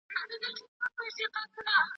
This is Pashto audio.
نړيوال تړونونه د هيوادونو ترمنځ لاسليک کيږي.